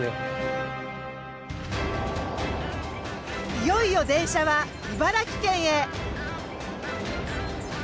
いよいよ電車は茨城県へ。